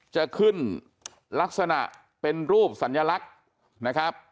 จะขึ้นลักษณะเป็นรูปสัญลักษณ์นะครับ